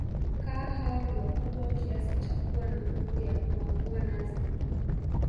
Kaa hao ni wakubwa Kiasi cha kuwa na nguvu ya kuangua nazi